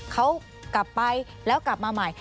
เขากลับไปแล้วกลับมาใหม่